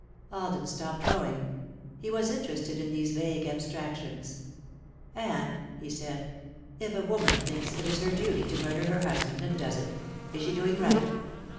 Alden stopped rowing. He was interested in these vague abstractions. "And," he said, "if a woman thinks it is her duty to murder her husband, and does it, is she doing right?"